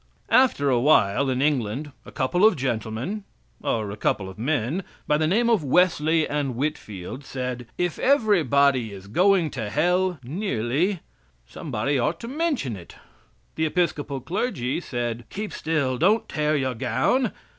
After a while, in England, a couple of gentlemen, or a couple of men by the name of Wesley and Whitfield, said: "If everybody is going to hell, nearly, somebody ought to mention it." The Episcopal clergy said: "Keep still; don't tear your gown."